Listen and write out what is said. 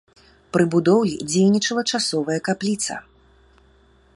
Пры будоўлі дзейнічала часовая капліца.